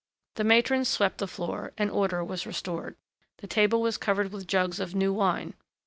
The matrons swept the floor, and order was restored. The table was covered with jugs of new wine.